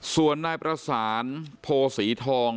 ส่วนนายประสานโพศรีทอง